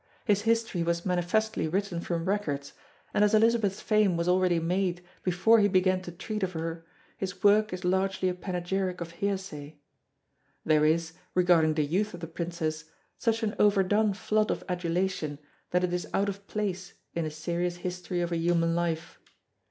His history was manifestly written from records and as Elizabeth's fame was already made before he began to treat of her his work is largely a panegyric of hearsay. There is, regarding the youth of the Princess, such an overdone flood of adulation that it is out of place in a serious history of a human life.